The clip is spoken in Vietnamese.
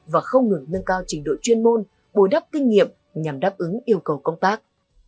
và không ngừng nâng cao trình độ chuyên môn bồi đắp kinh nghiệm nhằm đáp ứng yêu cầu công tác